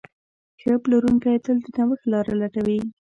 ښه پلورونکی تل د نوښت لاره لټوي.